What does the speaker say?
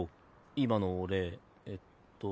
今の俺えっと